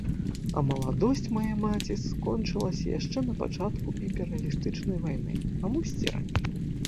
А маладосць мае маці скончылася яшчэ на пачатку імперыялістычнай вайны, а мусіць і раней.